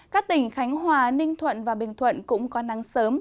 các tỉnh khánh hòa ninh thuận và bình thuận cũng có nắng sớm